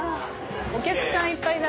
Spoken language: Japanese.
お客さんいっぱいだ。